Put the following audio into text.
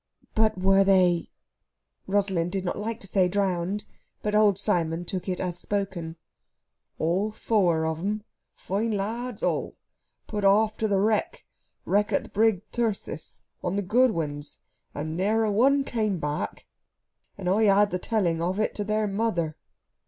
"But were they?..." Rosalind did not like to say drowned; but old Simon took it as spoken. "All fower of 'em fine lads all put off to the wreck wreck o' th' brig Thyrsis, on th' Goodwins and ne'er a one come back. And I had the telling of it to their mother.